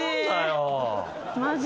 マジ？